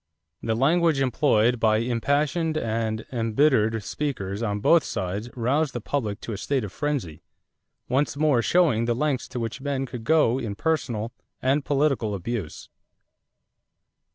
The language employed by impassioned and embittered speakers on both sides roused the public to a state of frenzy, once more showing the lengths to which men could go in personal and political abuse.